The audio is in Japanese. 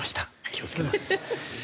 気をつけます。